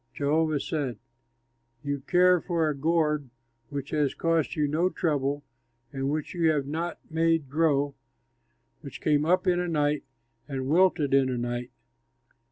Jehovah said, "You care for a gourd which has cost you no trouble and which you have not made grow, which came up in a night and wilted in a night.